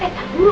eh pak guru